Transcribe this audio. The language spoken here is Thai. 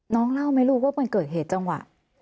เล่าไหมลูกว่ามันเกิดเหตุจังหวะ